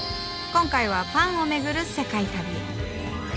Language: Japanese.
今回はパンをめぐる世界旅へ。